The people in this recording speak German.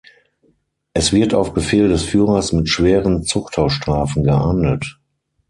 Es wird auf Befehl des Führers mit schweren Zuchthausstrafen geahndet.